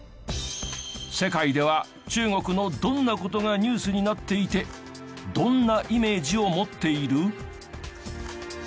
世界では中国のどんな事がニュースになっていてどんなイメージを持っている？